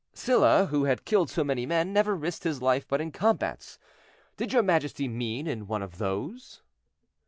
"Sylla, who had killed so many men, never risked his life but in combats; did your majesty mean in one of those?"